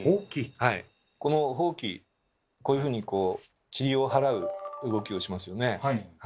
このほうきこういうふうにちりを払う動きをしますよね。